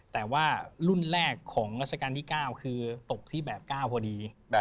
แต่ว่ารุ่นแรกของราชการที่๙คือตกที่แบบ๙พอดี